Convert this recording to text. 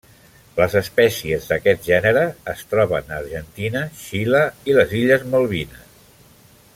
Les espècies d'aquest gènere es troben a Argentina, Xile i les illes Malvines.